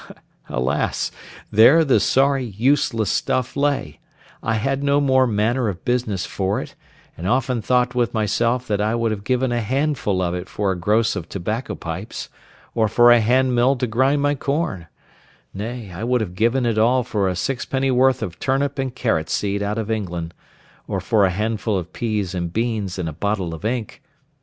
Alas! there the sorry, useless stuff lay; I had no more manner of business for it; and often thought with myself that I would have given a handful of it for a gross of tobacco pipes; or for a hand mill to grind my corn; nay, I would have given it all for a sixpenny worth of turnip and carrot seed out of England, or for a handful of peas and beans, and a bottle of ink.